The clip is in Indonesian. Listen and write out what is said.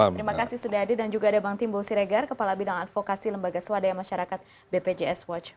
terima kasih sudah hadir dan juga ada bang timbul siregar kepala bidang advokasi lembaga swadaya masyarakat bpjs watch